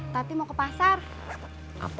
tapi mau ke pasangan apa